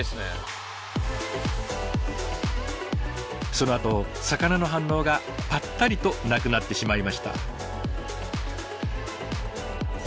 そのあと魚の反応がパッタリとなくなってしまいました。